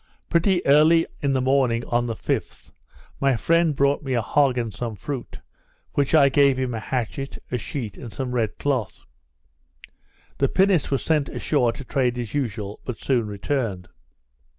Pretty early in the morning on the 5th, my friend brought me a hog and some fruit; for which I gave him a hatchet, a sheet, and some red cloth. The pinnace was sent ashore to trade as usual, but soon returned.